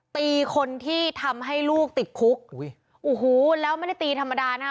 ตีคนที่ทำให้ลูกติดคุกอุ้ยโอ้โหแล้วไม่ได้ตีธรรมดานะฮะ